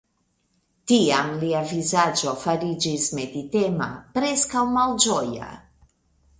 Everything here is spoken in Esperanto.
Tiam lia vizaĝo fariĝis meditema, preskaŭ malĝoja.